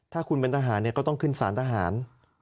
ถ้าคุณเป็นทหารก็ต้องขึ้นสารทหาร